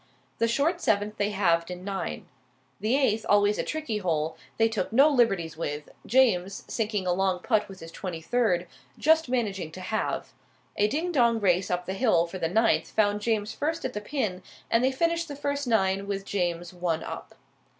The short seventh they halved in nine. The eighth, always a tricky hole, they took no liberties with, James, sinking a long putt with his twenty third, just managing to halve. A ding dong race up the hill for the ninth found James first at the pin, and they finished the first nine with James one up.